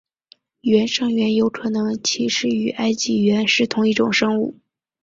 原上猿有可能其实与埃及猿是同一种生物。